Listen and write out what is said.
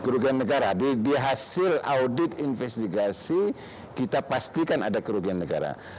kerugian negara di hasil audit investigasi kita pastikan ada kerugian negara